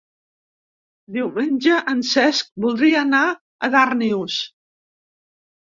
Diumenge en Cesc voldria anar a Darnius.